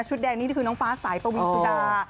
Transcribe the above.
ชุดแดงนี้คือน้องฟ้าสายปวิคุดา